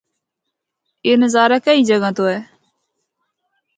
اے نظارہ کئ جگہ تو ہے۔